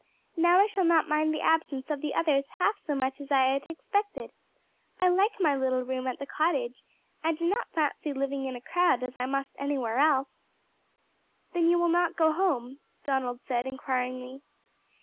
"Now I shall not mind the absence of the others half so much as I had expected. I like my little room at the cottage, and do not fancy living in a crowd as I must anywhere else." "Then you will not go home?" Donald said, inquiringly.